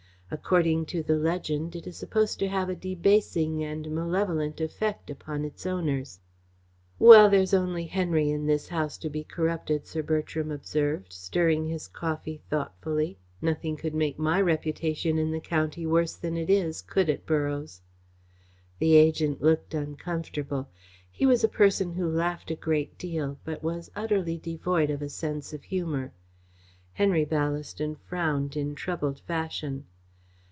According to the legend it is supposed to have a debasing and malevolent effect upon its owners." "Well, there's only Henry in this house to be corrupted," Sir Bertram observed, stirring his coffee thoughtfully. "Nothing could make my reputation in the County worse than it is, could it, Borroughes?" The agent looked uncomfortable. He was a person who laughed a great deal but who was utterly devoid of a sense of humour. Henry Ballaston frowned in troubled fashion.